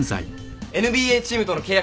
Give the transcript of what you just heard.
ＮＢＡチームとの契約